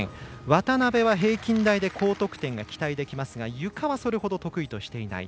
渡部は平均台で高得点が期待できますがゆかはそれほど得意としていない。